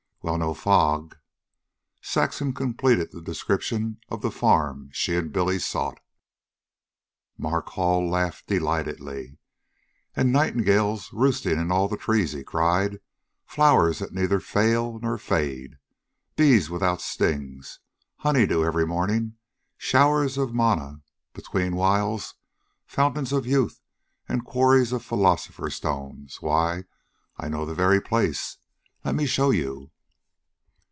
well, and no fog," Saxon concluded the description of the farm she and Billy sought. Mark Hall laughed delightedly. "And nightingales roosting in all the trees," he cried; "flowers that neither fail nor fade, bees without stings, honey dew every morning, showers of manna betweenwhiles, fountains of youth and quarries of philosopher's stones why, I know the very place. Let me show you."